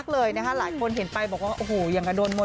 เตรียมยังกับคุณรู้ไหม